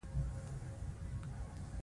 زه کولای شم په ورځو ورځو په دې اړه وغږېږم.